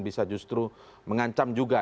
bisa justru mengancam juga